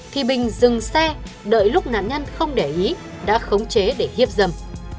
thì bình dừng xe đợi lúc nạn nhân không để ý đã khống chế để hiếp dâm